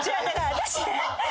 私ね。